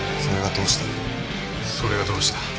それがどうした？